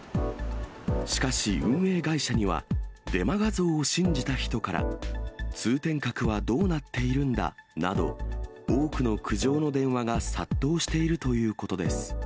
しかし、運営会社には、デマ画像を信じた人から、通天閣はどうなっているんだなど、多くの苦情の電話が殺到しているということです。